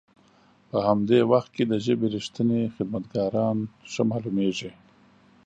په همدي وخت کې د ژبې رښتني خدمت کاران ښه مالومیږي.